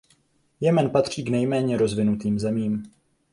Jemen patří k nejméně rozvinutým zemím.